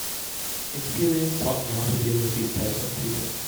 Experience taught me how to deal with these types of people.